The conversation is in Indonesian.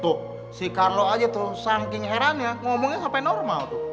tuh si carlo aja tuh saking herannya ngomongnya sampai normal tuh